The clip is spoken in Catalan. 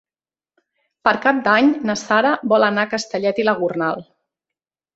Per Cap d'Any na Sara vol anar a Castellet i la Gornal.